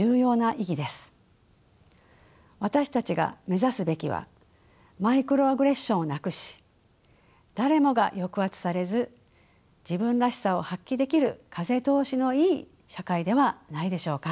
私たちが目指すべきはマイクロアグレッションをなくし誰もが抑圧されず自分らしさを発揮できる風通しのいい社会ではないでしょうか。